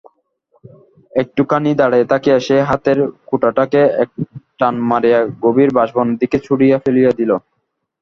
একটুখানি দাঁড়াইয়া থাকিয়া সে হাতের কোেটাটাকে একটান মারিয়া গভীর বাঁশবনের দিকে ছুড়িয়া ফেলিয়া দিল।